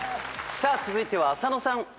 さあ続いては浅野さん。